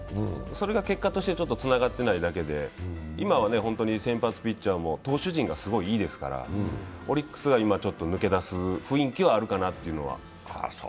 それが結果としてつながってないだけで、今は先発ピッチャーも投手陣がすごいいいですからオリックスは今、ちょっと抜け出す雰囲気はあるかなというのは。